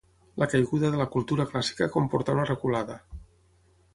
La caiguda de la cultura clàssica comportà una reculada.